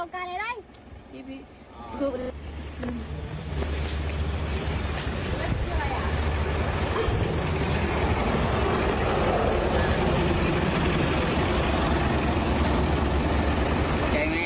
จะเครื่องทางตรงนี้